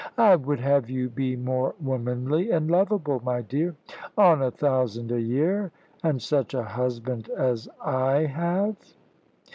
"I would have you be more womanly and lovable, my dear." "On a thousand a year, and such a husband as I have?"